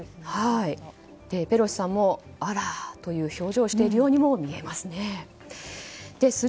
ペロシさんもあらという表情をしているようにも見えます。